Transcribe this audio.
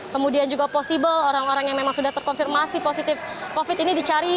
kemudian juga possible orang orang yang memang sudah terkonfirmasi positif covid ini dicari